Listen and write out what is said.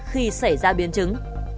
khi xảy ra biến chứng